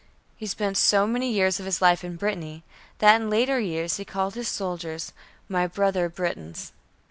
He spent so many years of his life in Brittany, that in later years he called his soldiers "my brother Bretons."